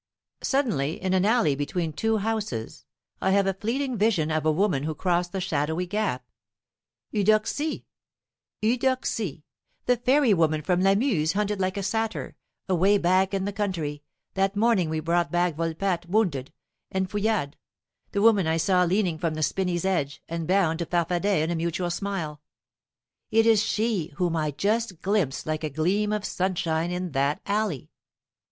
Suddenly, in an alley between two houses, I have a fleeting vision of a woman who crossed the shadowy gap Eudoxie! Eudoxie, the fairy woman whom Lamuse hunted like a satyr, away back in the country, that morning we brought back Volpatte wounded, and Fouillade, the woman I saw leaning from the spinney's edge and bound to Farfadet in a mutual smile. It is she whom I just glimpsed like a gleam of sunshine in that alley.